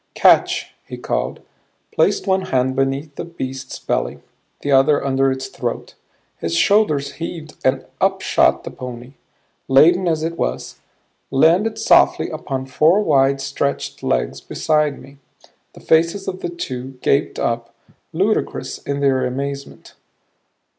"Catch," he called; placed one hand beneath the beast's belly, the other under its throat; his shoulders heaved and up shot the pony, laden as it was, landed softly upon four wide stretched legs beside me. The faces of the two gaped up, ludicrous in their amazement.